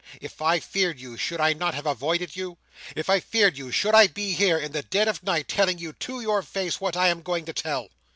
If I feared you, should I not have avoided you? If I feared you, should I be here, in the dead of night, telling you to your face what I am going to tell?"